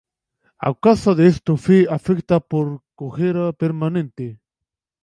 A causa de esto fe afectada por una cojera permanente.